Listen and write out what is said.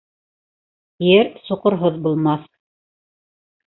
Ер соҡорһоҙ булмаҫ.